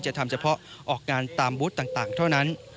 จะทำเฉพาะออกงานตามบูธต่างเท่านั้น